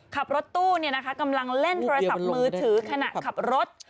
ขับรถตู้กำลังเล่นโทรศัพท์มือถือขณะขับรถ